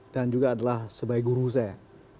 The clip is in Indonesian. dan juga adalah sebagai guru saya